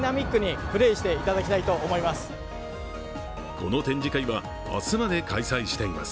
この展示会は明日まで開催しています。